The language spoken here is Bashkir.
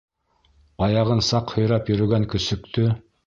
Аяғын саҡ һөйрәп йөрөгән көсөктө!